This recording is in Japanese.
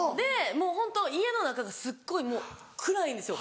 もうホント家の中がすっごいもう暗いんですよ